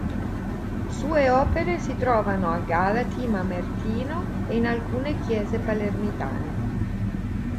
Sue opere si trovano a Galati Mamertino e in alcune chiese palermitane.